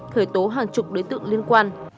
khởi tố hàng chục đối tượng liên quan